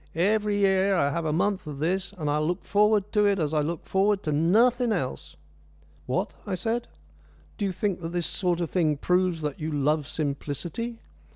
Every year I have a month of this, and I look forward to it as I look forward to nothing else." "What?" I said. "Do you think that this sort of thing proves that you love simplicity?